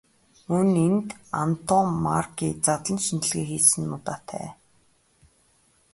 Мөн энд Антоммарки задлан шинжилгээ хийсэн удаатай.